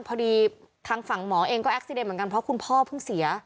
พอดีทางฝั่งหมอเองก็แอ็กซีเดนเหมือนกันเพราะคุณพ่อเพิ่งเสีย